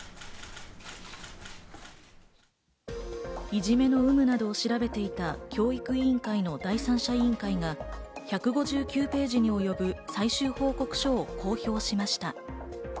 いじめの有無などを調べていた教育委員会の第三者委員会が１５９ページにも及ぶ、最終報告書を公表しました。